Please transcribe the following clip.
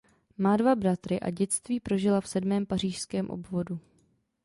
Má dva bratry a dětství prožila v sedmém pařížském obvodu.